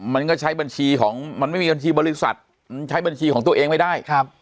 มันก็ใช้บัญชีของมันไม่มีบัญชีบริษัทมันใช้บัญชีของตัวเองไม่ได้ครับ